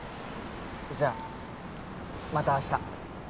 じゃあまた明日。